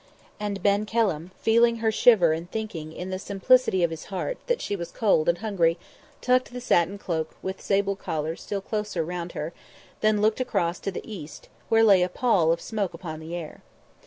And Ben Kelham, feeling her shiver and thinking, in the simplicity of his heart, that she was cold and hungry, tucked the satin cloak with sable collar still closer round her, then looked across to the east, where lay a pall of smoke upon the air.